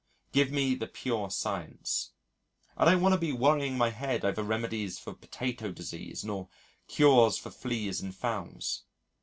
Give me the pure science. I don't want to be worrying my head over remedies for potato disease nor cures for fleas in fowls.